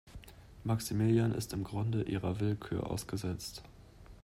Maximilian ist im Grunde ihrer Willkür ausgesetzt.